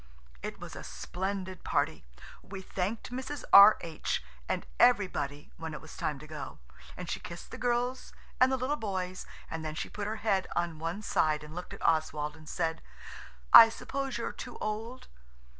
It was a splendid party. We thanked Mrs. R.H. and everybody when it was time to go, and she kissed the girls and the little boys, and then she put her head on one side and looked at Oswald and said, "I suppose you're too old?"